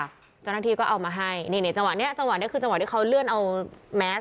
เจ้าหน้าทีก็เอามาให้ในจังหวะนี้คือจังหวะที่เขาเลื่อนเอาแมส